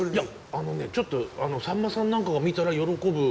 あのねちょっとさんまさんなんかが見たら喜ぶ。